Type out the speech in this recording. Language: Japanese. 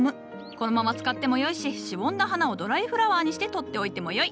このまま使ってもよいししぼんだ花をドライフラワーにして取っておいてもよい。